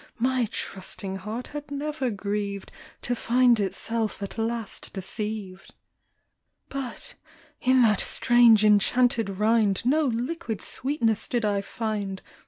My trusting heart had never grieved To find itself at last deceived. But in that strange enchanted rind No liquid sweetness did I find.